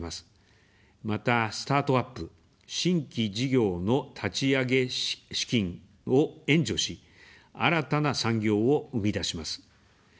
また、スタートアップ、新規事業の立ち上げ資金を援助し、新たな産業を生み出します。